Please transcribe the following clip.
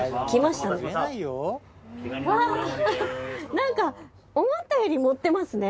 なんか思ったより盛ってますね。